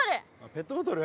ペットボトル？